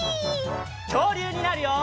きょうりゅうになるよ！